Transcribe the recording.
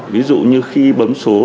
ví dụ như khi bấm số